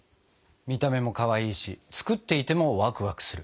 見た目もかわいいし作っていてもワクワクする。